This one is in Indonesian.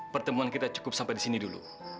pertemuan kita cukup sampai di sini dulu